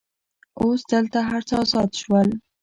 اوس دلته هر څه آزاد شول.